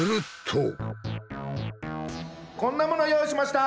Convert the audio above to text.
こんなものを用意しました。